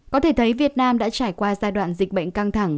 có thể thấy việt nam đã trải qua giai đoạn dịch bệnh căng thẳng